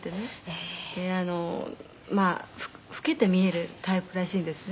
「ええー」「老けて見えるタイプらしいんですね」